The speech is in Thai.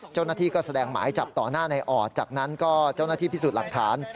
เจ้าหน้าที่ก็แสดงหมายจับต่อหน้าในออดจากนั้นก็เจ้าหน้าที่พิสูจน์หลักฐาน